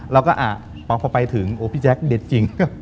แล้วก็อ่ะพอไปถึงโอ้พี่แจ๊กเด็ดจริง